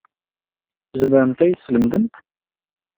Tzemremt ad iyi-teslemdemt?